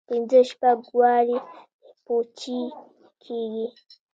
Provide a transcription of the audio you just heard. پنځه شپږ وارې پوجي کېږي.